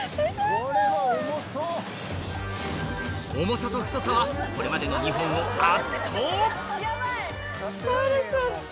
重さと太さはこれまでの２本を圧倒！